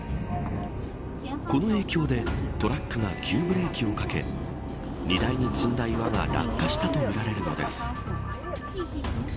この影響でトラックが急ブレーキをかけ荷台に積んだ岩が落下したとみられるのです。